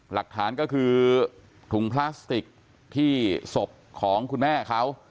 หลักฐานก็คือถุงพลาสติกที่ศพของคุณแม่เขา